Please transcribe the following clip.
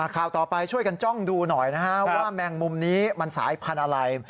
ข่าวต่อไปช่วยกันจ้องดูหน่อยนะฮะว่าแมงมุมนี้มันสายพันธุ์อะไร